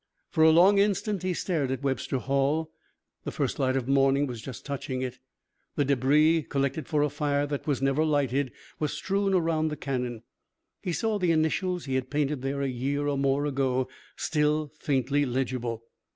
For a long instant he stared at Webster Hall. The first light of morning was just touching it. The débris collected for a fire that was never lighted was strewn around the cannon. He saw the initials he had painted there a year and more ago still faintly legible.